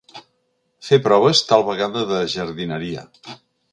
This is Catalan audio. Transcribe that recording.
Fer proves, tal vegada de jardineria.